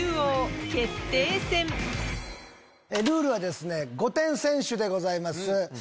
ルールは５点先取でございます。